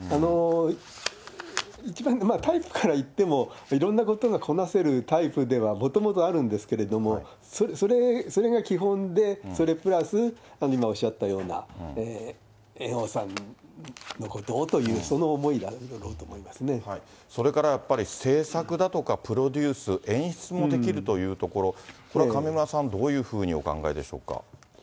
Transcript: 一番、タイプからいっても、いろんなことがこなせるタイプではもともとあるんですけれども、それが基本で、それプラス、今おっしゃったような猿翁さんのことをという、それからやっぱり、制作だとか、プロデュース、演出もできるというところ、これは上村さん、どういうふうにお考えでしょうか。